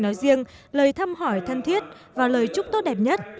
nói riêng lời thăm hỏi thân thiết và lời chúc tốt đẹp nhất